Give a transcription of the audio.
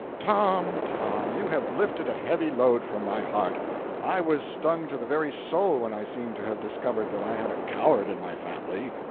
Tom, Tom, you have lifted a heavy load from my heart; I was stung to the very soul when I seemed to have discovered that I had a coward in my family."